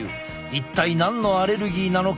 一体何のアレルギーなのか？